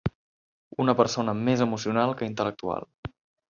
Una persona més emocional que intel·lectual.